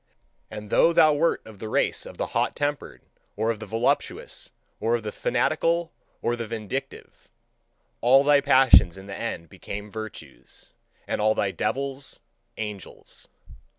And though thou wert of the race of the hot tempered, or of the voluptuous, or of the fanatical, or the vindictive; All thy passions in the end became virtues, and all thy devils angels.